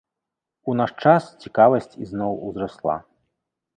У наш час цікаваць ізноў узрасла.